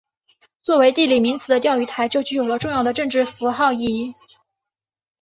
作为地理名词的钓鱼台就具有了重要的政治符号意义。